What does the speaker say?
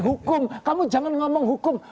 hukum kamu jangan ngomong hukum